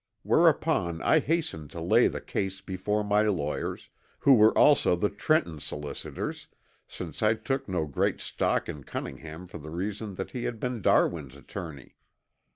Whereupon I hastened to lay the case before my lawyers, who were also the Trenton solicitors, since I took no great stock in Cunningham for the reason that he had been Darwin's attorney.